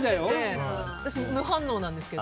私は無反応なんですけど。